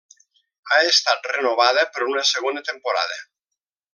Ha estat renovada per una segona temporada.